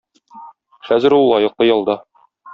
Хәзер ул лаеклы ялда.